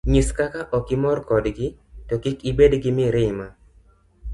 Nyis kaka okimor kodgi, to kik ibed gi mirima.